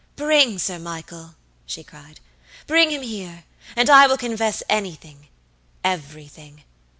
"Bring Sir Michael!" she cried; "bring him here, and I will confess anythingeverything.